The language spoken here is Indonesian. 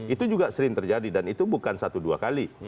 itu juga sering terjadi dan itu bukan satu dua kali